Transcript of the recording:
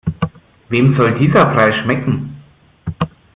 Wem soll dieser Brei schmecken?